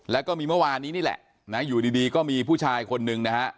แล้วก็มีเมื่อวานนี้นี่แหละนะอยู่ดีก็มีผู้ชายคนหนึ่งนะฮะ